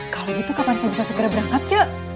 kalau gitu kapan saya bisa segera berangkat c